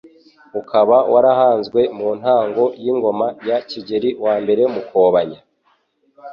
Ukaba warahanzwe mu ntango y'ingoma ya Kigeli I Mukobanya